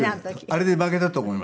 あれで負けたと思いました。